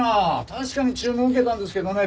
確かに注文受けたんですけどね